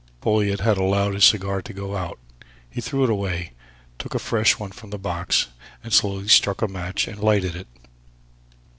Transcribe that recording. Folliot had allowed his cigar to go out. He threw it away, took a fresh one from the box, and slowly struck a match and lighted it.